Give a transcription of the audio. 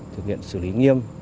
thực hiện xử lý nghiêm